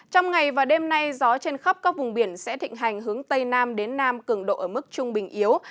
trong ngày và đêm nay gió trên khắp các vùng biển sẽ thịnh hành hướng tây nam đến nam cường độ ở mức trung bình yếu